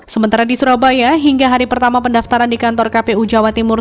sementara di surabaya hingga hari pertama pendaftaran di kantor kpu jawa timur